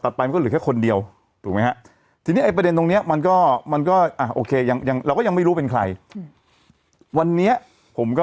จะได้รู้ฝึกอะไรล่ะ